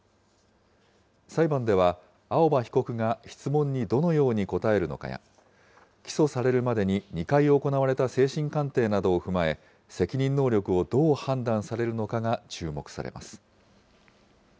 裁判では、青葉被告が質問にどのように答えるのかや、起訴されるまでに２回行われた精神鑑定などを踏まえ、責任能力をどう判断されるのかが注目されます。